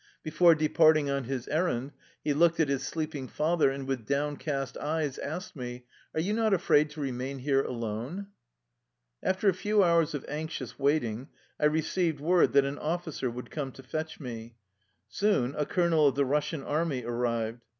Before de parting on his errand, he looked at his sleeping father, and with downcast eyes asked me, "Are you not afraid to remain here alone? " After a few hours of anxious waiting I re ceived word that an officer would come to fetch me. Soon a colonel of the Russian army ar rived.